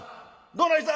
「どないした？」。